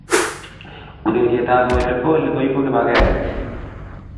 ureriet ap valiboli koipu kipakenge